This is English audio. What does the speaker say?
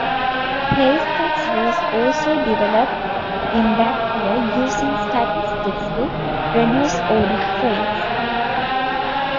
Haystack was also developed in that year using statistics to reduce audit trails.